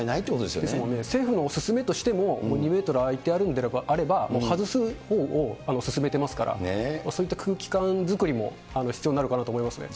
ですものね、政府の勧めとしても、２メートル空いてあるんであれば、外すほうを勧めてますから、そういった空気感作りも必要になるかなと思いますね。